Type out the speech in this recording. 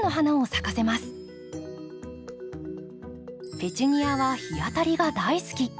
ペチュニアは日当たりが大好き。